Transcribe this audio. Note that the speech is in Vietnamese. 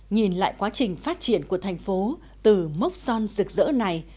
nhìn lại quá trình phát triển của thành phố từ mốc son rực rỡ này